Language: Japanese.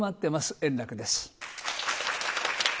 円楽です。